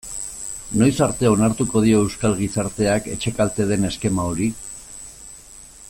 Noiz arte onartuko dio euskal gizarteak etxekalte den eskema hori?